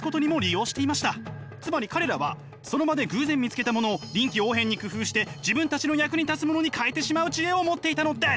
つまり彼らはその場で偶然見つけたものを臨機応変に工夫して自分たちの役に立つものに変えてしまう知恵を持っていたのです！